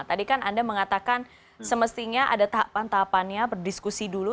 tadi kan anda mengatakan semestinya ada tahapan tahapannya berdiskusi dulu